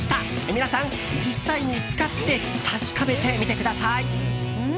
皆さん、実際に使って確かめてみてください。